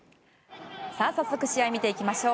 早速試合を見ていきましょう。